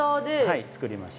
はい作りました。